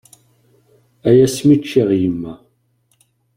Ay asmi i ččiɣ yemma!